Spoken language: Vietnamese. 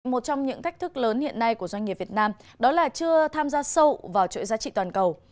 một trong những thách thức lớn hiện nay của doanh nghiệp việt nam đó là chưa tham gia sâu vào chuỗi giá trị toàn cầu